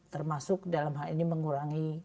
termasuk dalam hal ini mengurangi